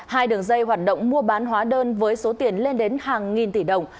hai đường dây hoạt động mua bán hóa đơn với số tiền lên đến hàng nghìn tỷ đồng